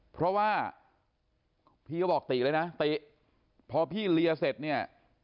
เพราะว่าพี่ก็บอกติเลยนะติพอพี่เลียเสร็จเนี่ย